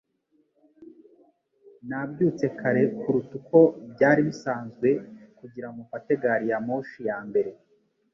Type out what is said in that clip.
Nabyutse kare kuruta uko byari bisanzwe kugira ngo mfate gari ya moshi ya mbere.